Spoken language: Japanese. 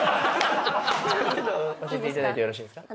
聞いていただいてよろしいですか？